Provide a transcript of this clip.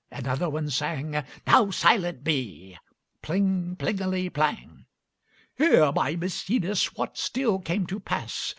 Another one sang: 'Now silent be!' Pling plingeli plang. "Hear, my Maecenas, what still came to pass.